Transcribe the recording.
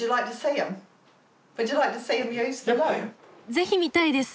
ぜひ見たいです。